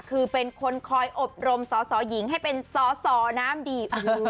คือเป็นคนคอยอบรมสอสอหญิงให้เป็นสอสอน้ำดีบ